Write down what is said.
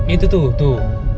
itu tuh tuh